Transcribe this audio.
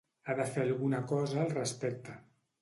Ha de fer alguna cosa al respecte.